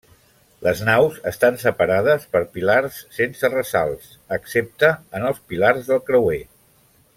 Les naus estan separades per pilars sense ressalts, excepte en els pilars del creuer.